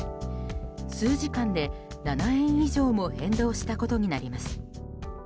数時間で７円以上も変動したことになります。